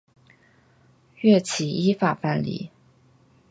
岳起依法办理。